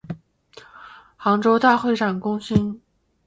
杭州大会展中心